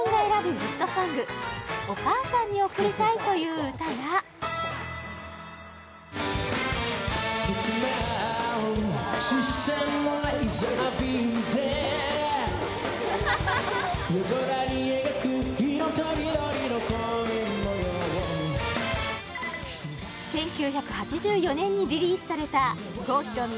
ギフトソングお母さんに贈りたいという歌が１９８４年にリリースされた郷ひろみ